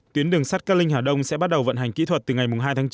tuyến đường sắt cát linh hà đông sẽ bắt đầu vận hành kỹ thuật từ ngày hai tháng chín